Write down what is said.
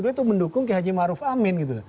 itu mendukung ki haji maruf amin gitu